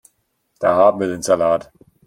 Da haben wir den Salat.